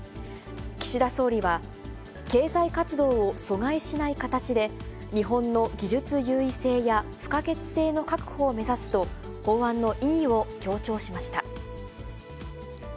岸田総理は、経済活動を阻害しない形で、日本の技術優位性や不可欠性の確保を目指すと、法案の意義を強調しました。